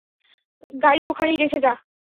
গাড়ি ওখানেই রেখে যা।